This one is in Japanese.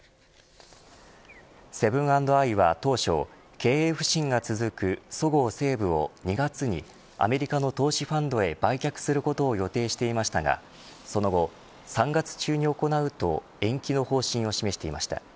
セブン＆アイは当初経営不振が続くそごう・西武を２月にアメリカの投資ファンドへ売却することを予定していましたが、その後３月中に行うと延期の方針を示していました。